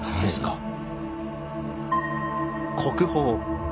はい。